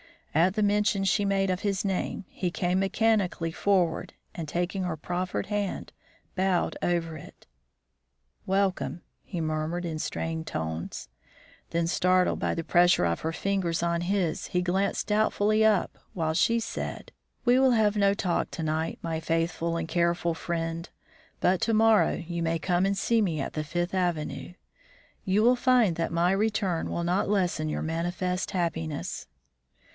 At the mention she made of his name, he came mechanically forward, and, taking her proffered hand, bowed over it. "Welcome." he murmured, in strained tones; then, startled by the pressure of her fingers on his, he glanced doubtfully up while she said: "We will have no talk to night, my faithful and careful friend, but to morrow you may come and see me at the Fifth Avenue. You will find that my return will not lessen your manifest happiness."